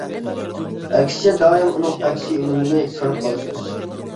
ئەكسىچە، دائىم ئۇنىڭ ئەكس ئۈنۈمىنى كۆرۈپ قالىسىز.